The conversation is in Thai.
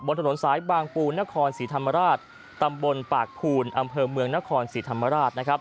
ถนนสายบางปูนครศรีธรรมราชตำบลปากภูนอำเภอเมืองนครศรีธรรมราช